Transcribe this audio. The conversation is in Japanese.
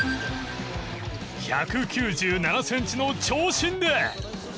１９７センチの長身で。